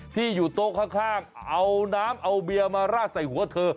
ที่อยู่โต๊ะข้างเอาน้ำเอาเบียร์มาราดใส่หัวเธอ